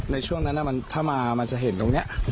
ในช่วงนั้นถ้ามามันจะเห็นตรงนี้